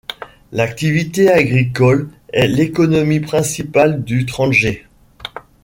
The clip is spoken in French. L'activité agricole est l'économie principale du Tranger.